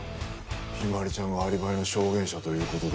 陽葵ちゃんがアリバイの証言者という事で。